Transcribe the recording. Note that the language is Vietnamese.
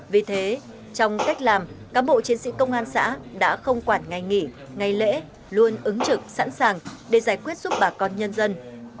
vì thế trong cách làm cám bộ chiến sĩ công an xã đã không quản ngày nghỉ ngày lễ luôn ứng trực sẵn sàng để giải quyết giúp bà con nhân dân